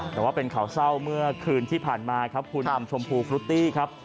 แต่ว่าเป็นข่าวเศร้าเมื่อคืนที่ผ่านมาครับคุณชมพูฟรุตตี้ครับ